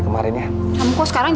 begitu nenek peok